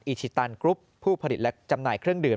อิชิตันกรุ๊ปผู้ผลิตและจำหน่ายเครื่องดื่ม